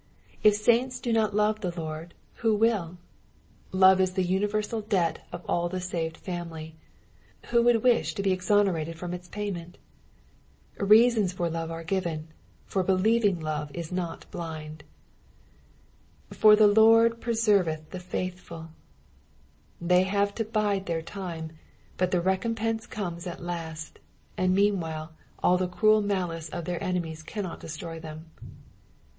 If sunts do not tove the Lord, who will ! Love is the universal debt of all the saved family : who would wish to be exonerated from its payment ? Reasons for love are gi^en, for believing love is not blind. " .^br tie Lord pTfiereeA the /aUhfid." They have to bide their time, but the re compense comes at last, and meanwhile all the cruel malice of their enemies cannot destroy them.